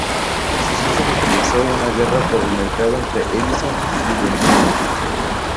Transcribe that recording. Suceso que comenzó una guerra por el mercado entre Edison y Berliner.